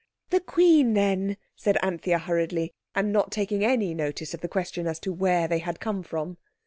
"The Queen then," said Anthea hurriedly, and not taking any notice of the question as to where they had come from.